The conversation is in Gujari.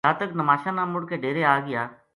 جاتک نماشاں نا مڑ کے ڈیرے آ گیا